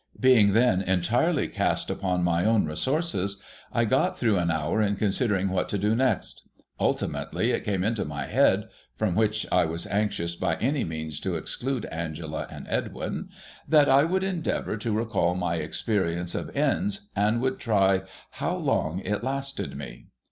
Being then entirely cast upon my own resources, I got through an hour in considering what to do next. Ultimately, it came into my head (from which I was anxious by any means to exclude Angela and Edwin), that I would endeavour to recall my experience of Inns, and would try how long it lasted me.